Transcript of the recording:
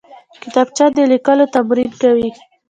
کتابچه د لیکلو تمرین کوي